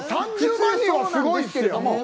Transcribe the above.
３０万人はすごいですよ。